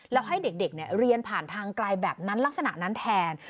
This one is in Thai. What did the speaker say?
แล้วให้เด็กเรียนผ่านทางไกลแบบนั้นลักษณะนั้นแทน